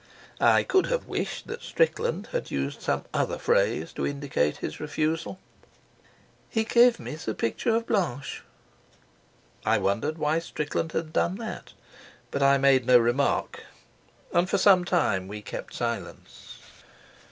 I could have wished that Strickland had used some other phrase to indicate his refusal. "He gave me the picture of Blanche." I wondered why Strickland had done that. But I made no remark, and for some time we kept silence.